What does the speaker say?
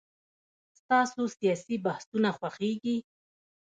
ستاسو سياسي بحثونه خوښيږي.